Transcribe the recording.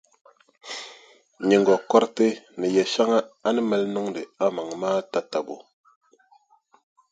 Nyiŋgokɔriti ni yɛʼ shɛŋa a ni mali niŋdi a maŋa maa tatabo.